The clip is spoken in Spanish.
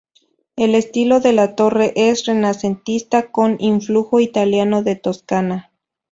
El estilo de la torre es renacentista con influjo italiano de Toscana.